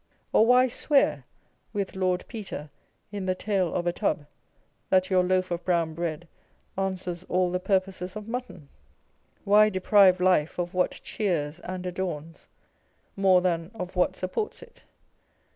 Or why swear, with Lord Peter in the Tale of a Tub, that your loaf of brown bread answers all the purposes of mutton ? Why deprive life of what cheers and adorns, more than of what supports it